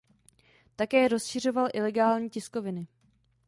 Také rozšiřoval ilegální tiskoviny.